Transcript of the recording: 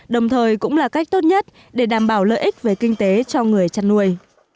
đồng thời cũng là cách tốt nhất để đảm bảo lợi ích về kinh tế cho người chăn nuôi